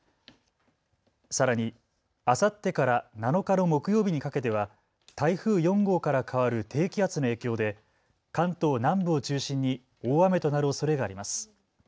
さらに、あさってから７日の木曜日にかけては台風４号から変わる低気圧の影響で関東南部を中心に大雨となるおそれがあります。